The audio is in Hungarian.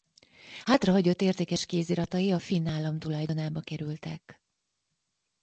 Hátrahagyott értékes kéziratai a finn állam tulajdonába kerültek.